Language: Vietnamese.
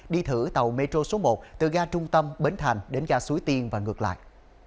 đi thử tàu metro số một từ ga trung tâm bến thành đến ga suối tiên và ngược lại